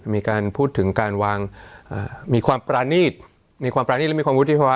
มีการพูดถึงการวางมีความประณีตมีความปรานีตและมีความวุฒิภาวะ